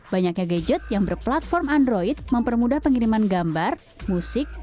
banyaknya gadget yang berplatform android mempermudah pengiriman gambar musik